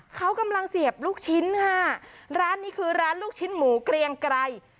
เขากำลังเสียบลูกชิ้นค่ะร้านนี้คือร้านลูกชิ้นหมูเกรียงไกร